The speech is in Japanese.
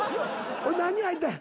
何人入ったんや。